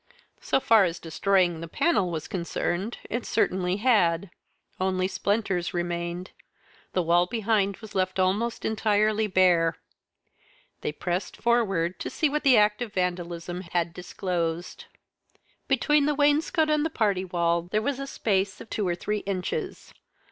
So far as destroying the panel was concerned, it certainly had. Only splinters remained. The wall behind was left almost entirely bare. They pressed forward to see what the act of vandalism had disclosed. Between the wainscot and the party wall there was a space of two or three inches.